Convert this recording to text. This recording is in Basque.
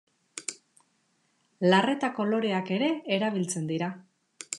Larretako loreak ere erabiltzen dira.